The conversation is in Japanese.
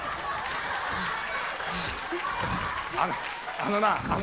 あのな。